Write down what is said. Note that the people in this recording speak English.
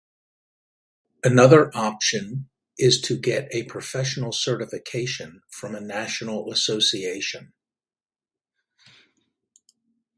Another option is to get a professional certification from a national association.